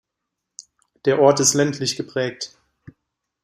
Der Ort ist ländlich geprägt.